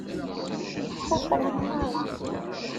Kukran merra.